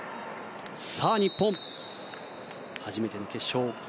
さあ日本、初めての決勝へ。